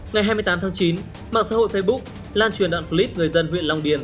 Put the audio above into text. ngày hai mươi tám tháng chín mạng xã hội facebook lan truyền đoạn clip người dân huyện long điền